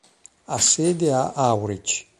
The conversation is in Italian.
Ha sede a Aurich.